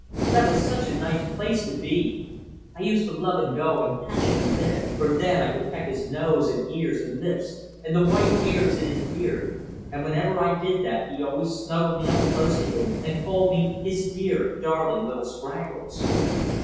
That was such a nice place to be! I used to love to go and catch him in bed, for then I could peck his nose, and ears, and lips, and the white hairs in his beard, and whenever I did that he always snuggled me up close to him and called me his dear, darling little Scraggles.